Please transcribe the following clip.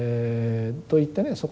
といってね